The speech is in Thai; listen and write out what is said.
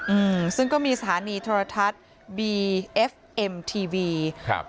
อืมซึ่งก็มีสถานีโทรทัศน์บีเอฟเอ็มทีวีครับ